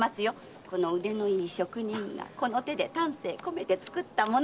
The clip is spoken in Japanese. この腕のいい職人がこの手で丹精込めて作った物！